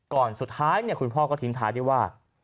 ก่อนสุดท้ายคุณพ่อก็ทิ้งท้ายด้วยว่า